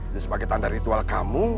sebagai tanda ritual kamu